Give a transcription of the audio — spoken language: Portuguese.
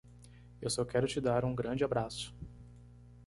Eu só quero te dar um grande abraço!